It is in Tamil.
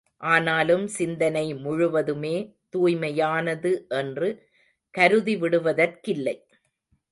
ஆனாலும் சிந்தனை முழுவதுமே துாய்மையானது என்று கருதிவிடுவதற்கில்லை.